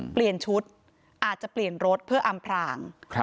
เปลี่ยนชุดอาจจะเปลี่ยนรถเพื่ออำพราง